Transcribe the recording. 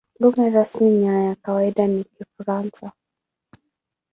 Lugha rasmi na ya kawaida ni Kifaransa.